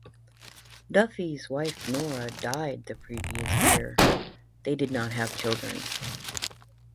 Duffy's wife Nora died the previous year; they did not have children.